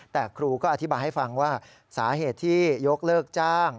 แต่ครูก็อธิบายให้ฟังว่าสาเหตุที่ยกเลิกจ้าง